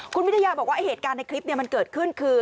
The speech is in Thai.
คุณวิทยาบอกว่าเหตุการณ์ในคลิปมันเกิดขึ้นคือ